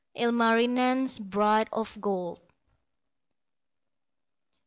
ILMARINEN'S BRIDE OF GOLD.